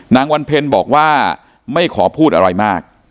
นางวันเพ็ญบอกว่าไม่ขอพูดอะไรมาก